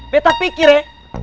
beta pikir ya